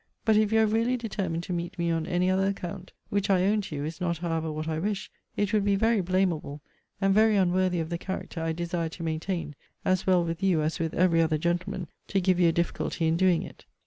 But if you are really determined to meet me on any other account, [which, I own to you, is not however what I wish,] it would be very blamable, and very unworthy of the character I desire to maintain, as well with you as with every other gentleman, to give you a difficulty in doing it.